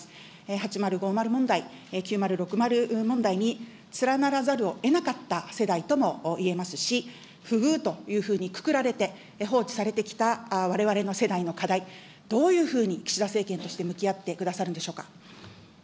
８０５０問題、９０６０問題に連ならざるをえなかった世代とも言えますし、不遇というふうにくくられて、放置されてきたわれわれの世代の課題、どういうふうに岸田政権として向き合ってくださるんでしょうか。